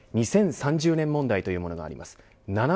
２０３０年問題というものがあります。